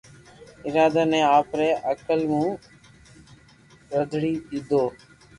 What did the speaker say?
اراده ني آپري عقل مون رڌ ري ڌيڌو